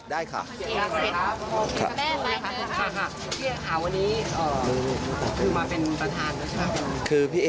ตัวแทนละครับ